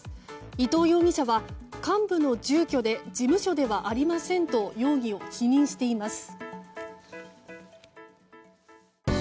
伊藤容疑者は、幹部の住居で事務所ではありませんと容疑を否認しています。